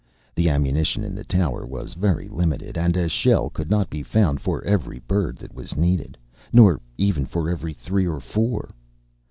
The ammunition in the tower was very limited, and a shell could not be found for every bird that was needed, nor even for every three or four.